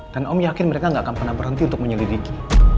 om yakin mereka gak akan pernah berhenti untuk menyelidiki